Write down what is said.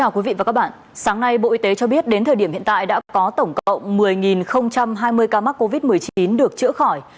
cảm ơn các bạn đã theo dõi